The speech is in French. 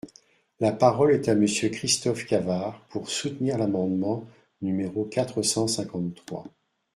La parole est à Monsieur Christophe Cavard, pour soutenir l’amendement numéro quatre cent cinquante-trois.